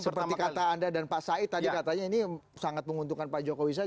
seperti kata anda dan pak said tadi katanya ini sangat menguntungkan pak jokowi saja